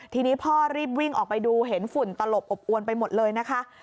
ทีนี้พ่อรีบวิ่งออกไปดูเห็นฝุ่นตลบอบอวนไปหมดเลยนะคะ